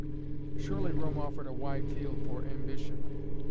Surely Rome offered a wide field for ambition.